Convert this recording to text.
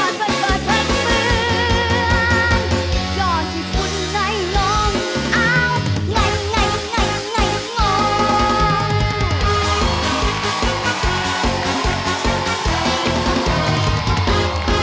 ยอดที่ฝุ่นในลงอ้าวไงไงไงไงงง